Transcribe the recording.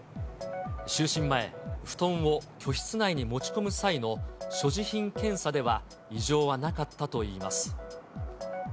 就寝前、布団を居室内に持ち込む際の所持品検査では異常はなかったといいます。